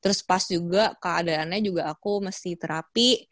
terus pas juga keadaannya juga aku mesti terapi